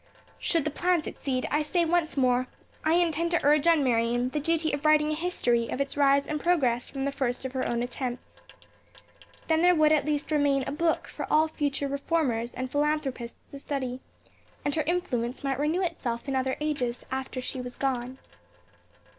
Should the plan succeed, I say once more, I intend to urge on Marion the duty of writing a history of its rise and progress from the first of her own attempts. Then there would at least remain a book for all future reformers and philanthropists to study, and her influence might renew itself in other ages after she was gone.